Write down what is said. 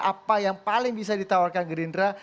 apa yang paling bisa ditawarkan gerindra